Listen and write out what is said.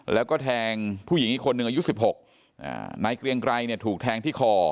แล้วก็แทงผู้หญิงอีกคนหนึ่งอายุ๑๖นายเกรียงไกรเนี่ยถูกแทงที่คอ